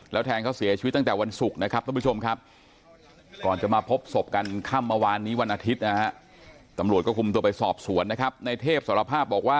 แล้วแทนเขาเสียชีวิตตั้งแต่วันศุกร์นะครับ